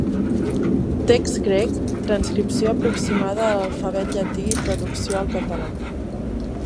Text grec, transcripció aproximada a l'alfabet llatí i traducció al català.